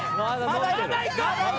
まだいく。